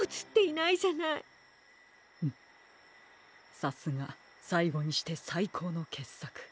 さすがさいごにしてさいこうのけっさく。